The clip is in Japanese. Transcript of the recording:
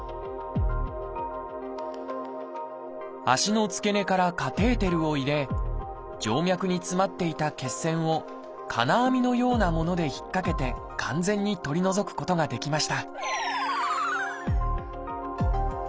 足の付け根からカテーテルを入れ静脈に詰まっていた血栓を金網のようなもので引っ掛けて完全に取り除くことができました